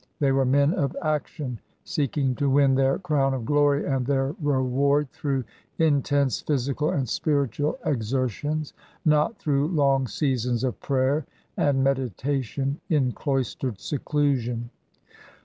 They were men of action, seeking to win their crown of glory and their reward through intense physical and spiritual exertions, not through long seasons of prayer and meditation in cloistered seclusion.